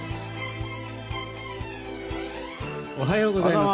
おはようございます。